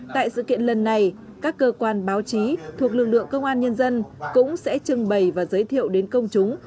tại sự kiện lần này các cơ quan báo chí thuộc lực lượng công an nhân dân cũng sẽ trưng bày và giới thiệu đến công chúng